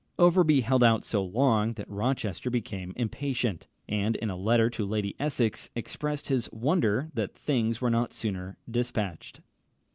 Overbury held out so long that Rochester became impatient, and in a letter to Lady Essex, expressed his wonder that things were not sooner despatched.